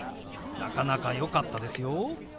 なかなかよかったですよ。